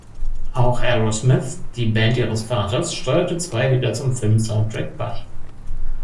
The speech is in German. Auch Aerosmith, die Band ihres Vaters, steuerte zwei Lieder zum Filmsoundtrack bei.